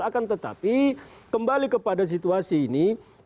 akan tetapi kembali kepada situasi ini